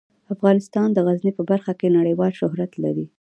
افغانستان د غزني په برخه کې نړیوال شهرت لري.